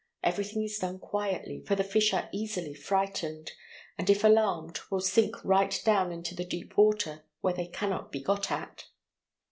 Everything is done quietly, for the fish are easily frightened, and if alarmed will sink right down into the deep water, where they cannot be got at.